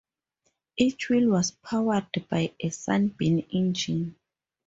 Each wheel was powered by a Sunbeam engine.